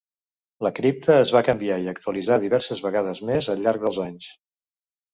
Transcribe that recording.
La cripta es va canviar i actualitzar diverses vegades més al llarg dels anys.